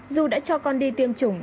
dù đã cho con đi tiêm chủng